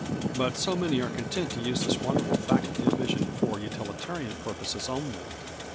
But so many are content to use this wonderful faculty of vision for utilitarian purposes only.